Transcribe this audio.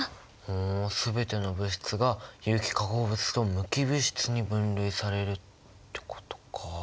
ふん全ての物質が有機化合物と無機物質に分類されるってことか。